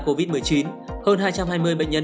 covid một mươi chín hơn hai trăm hai mươi bệnh nhân